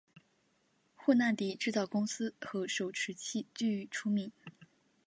霍纳迪制造公司和手装器具出名。